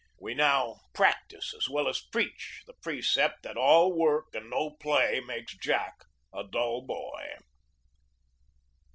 We now prac tise as well as preach the precept that all work and no play makes Jack a dull boy.